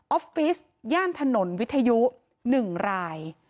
อฟฟิศย่านถนนวิทยุ๑ราย